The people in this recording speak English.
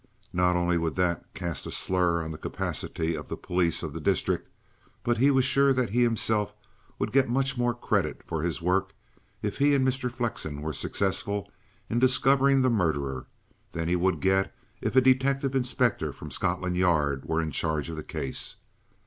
Not only would that cast a slur on the capacity of the police of the district, but he was sure that he himself would get much more credit for his work, if he and Mr. Flexen were successful in discovering the murderer, than he would get if a detective inspector from Scotland Yard were in charge of the case.